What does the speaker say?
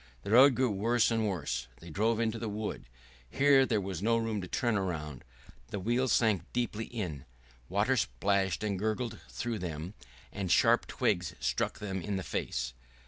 The road grew worse and worse.... They drove into the wood. Here there was no room to turn round, the wheels sank deeply in, water splashed and gurgled through them, and sharp twigs struck them in the face.